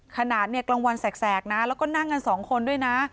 ขนาดเนี่ยกลางวันแสกนะแล้วก็นั่งกันสองคนด้วยนะ